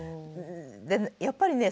でやっぱりね